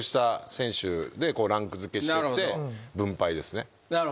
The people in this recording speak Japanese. ランク付けしてって分配ですね。